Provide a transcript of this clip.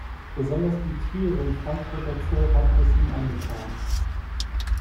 Besonders die Tiere im Frankfurter Zoo hatten es ihm angetan.